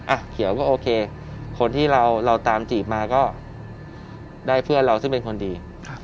เขียวก็โอเคคนที่เราตามจีบมาก็ได้เพื่อนเราซึ่งเป็นคนดี